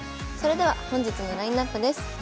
それでは本日のラインナップです。